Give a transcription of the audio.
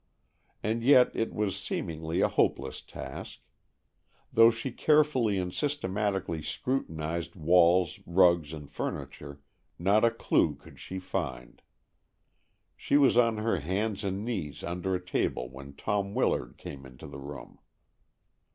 And yet it was seemingly a hopeless task. Though she carefully and systematically scrutinized walls, rugs and furniture, not a clue could she find. She was on her hands and knees under a table when Tom Willard came into the room.